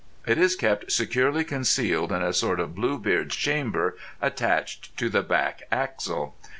It is kept securely concealed in a sort of Bluebeard's chamber attached to the back axle.